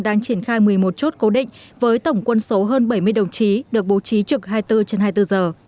đang triển khai một mươi một chốt cố định với tổng quân số hơn bảy mươi đồng chí được bố trí trực hai mươi bốn trên hai mươi bốn giờ